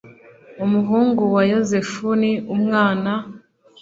umuhungu wa yozefu, ni umwana